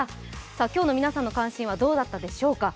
今日の皆さんの関心はどうだったでしょうか。